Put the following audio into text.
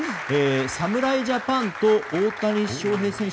侍ジャパンに大谷翔平選手